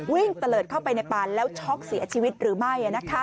ตะเลิศเข้าไปในป่านแล้วช็อกเสียชีวิตหรือไม่